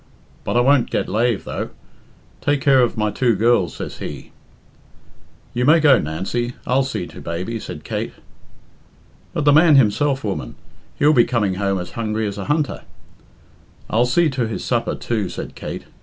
"But I won't get lave, though. 'Take care of my two girls,' says he " "You may go, Nancy; I'll see to baby," said Kate. "But the man himself, woman; he'll be coming home as hungry as a hunter." "I'll see to his supper, too," said Kate.